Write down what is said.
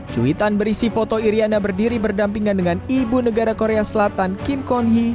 cuitan berisi foto iryana berdiri berdampingan dengan ibu negara korea selatan kim kon hee